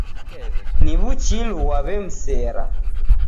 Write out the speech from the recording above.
Ni w'uchilu ghwaw'emsera.